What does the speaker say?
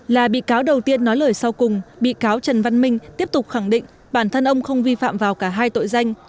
là bị cáo đầu tiên nói lời sau cùng bị cáo trần văn minh tiếp tục khẳng định bản thân ông không vi phạm vào cả hai tội danh